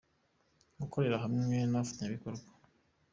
gukorera hamwe n’abafatanyabikorwa.